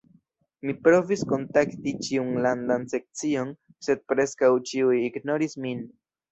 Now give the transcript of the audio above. Mi provis kontakti ĉiun landan sekcion sed preskaŭ ĉiuj ignoris min.